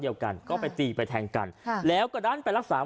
เดียวกันก็ไปตีไปแทงกันค่ะแล้วก็ดันไปรักษา